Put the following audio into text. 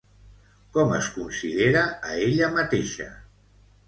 Com es considera a ella mateixa?